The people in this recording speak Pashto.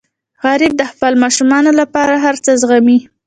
غریب د خپلو ماشومانو لپاره هر څه زغمي